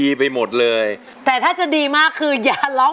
อยากได้อะไรมากที่สุดครับ